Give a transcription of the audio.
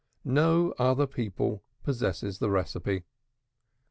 No other people possesses the recipe.